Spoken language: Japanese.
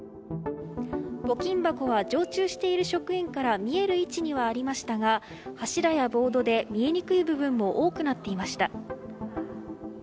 募金箱は常駐している職員から見える位置にはありましたが柱やボードで見えにくい部分も多くなっていました。